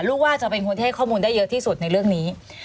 ลูกว่าจะเป็นคนที่ให้ข้อมูลได้เยอะที่สุดในเรื่องนี้